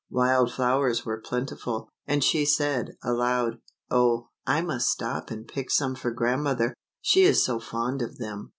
Wild flowers were plentiful, and she said, aloud, " Oh, I must stop and pick some for grandmother, she is so fond of them